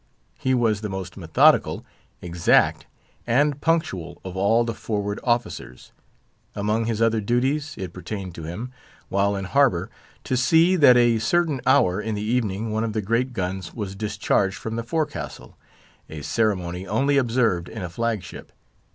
He was the most methodical, exact, and punctual of all the forward officers. Among his other duties, it pertained to him, while in harbour, to see that at a certain hour in the evening one of the great guns was discharged from the forecastle, a ceremony only observed in a flag ship.